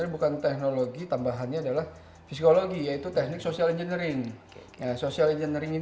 bukan teknologi tambahannya adalah psikologi yaitu teknik social engineering social engineering